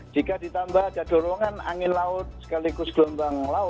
jika ditambah ada dorongan angin laut sekaligus gelombang